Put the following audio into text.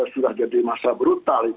sudah jadi masa brutal